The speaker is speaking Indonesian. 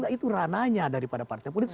itu rananya daripada partai politik